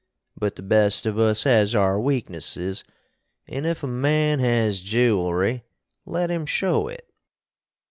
But the best of us has our weaknesses & if a man has gewelry let him show it.